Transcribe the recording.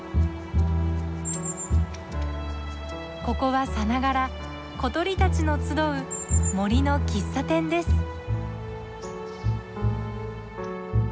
ここはさながら小鳥たちの集う森の喫茶店です。